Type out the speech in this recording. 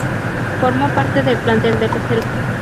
Formó parte del plantel de Reserva.